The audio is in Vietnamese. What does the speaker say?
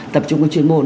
tập trung vào chuyên môn